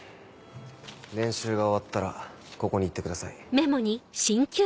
練習が終わったらここに行ってください。